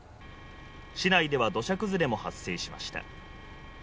市内では土砂崩れも発生しました。